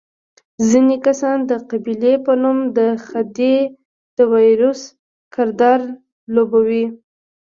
ځینې کسان د قبیلې په نوم د خدۍ د وایروس کردار لوبوي.